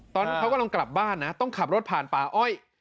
ตอนเขากลับบ้านต้องกลับรถผ่านปลาอ้อย